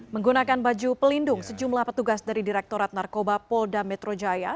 menggunakan baju pelindung sejumlah petugas dari direktorat narkoba polda metro jaya